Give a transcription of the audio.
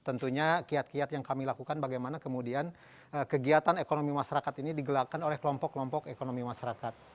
tentunya kiat kiat yang kami lakukan bagaimana kemudian kegiatan ekonomi masyarakat ini digelakkan oleh kelompok kelompok ekonomi masyarakat